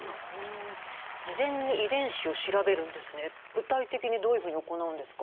具体的にどういうふうに行うんですか？